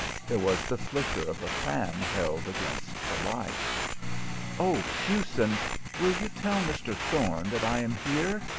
There was the flicker of a fan held against the light. "Oh, Hughson, will you tell Mr. Thorne that I am here?